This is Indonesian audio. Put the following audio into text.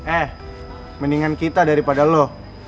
eh mendingan kita daripada loh